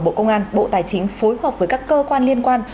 bộ công an bộ tài chính phối hợp với các cơ quan liên quan